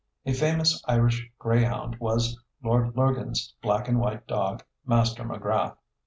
A famous Irish greyhound was Lord Lurgan's black and white dog, Master McGrath.